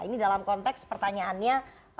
ini dalam konteks pertanyaannya